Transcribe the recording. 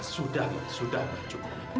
sudahlah sudah cukup lama